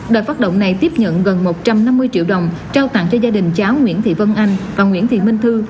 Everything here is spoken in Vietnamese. đợt phát động này tiếp nhận gần một trăm năm mươi triệu đồng trao tặng cho gia đình cháu nguyễn thị vân anh và nguyễn thị minh thư